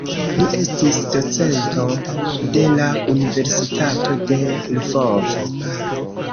Li estis docento de la Universitato de Lvovo.